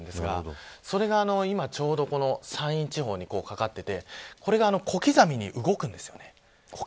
それが、今ちょうど山陰地方にかかっていてこれが小刻みに動くんです。